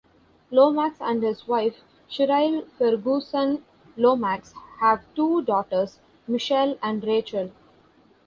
Lomax and his wife, Cheryl Ferguson Lomax, have two daughters, Michele and Rachel.